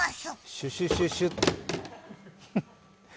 シュシュシュシュ。